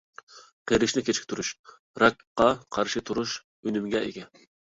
قېرىشنى كېچىكتۈرۈش، راكقا قارشى تۇرۇش ئۈنۈمىگە ئىگە.